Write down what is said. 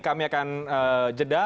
kami akan jeda